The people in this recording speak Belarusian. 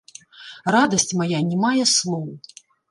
Радасць мая не мае слоў.